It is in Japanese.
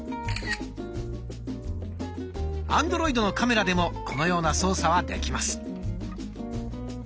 アンドロイドのカメラでもこのような操作はできます。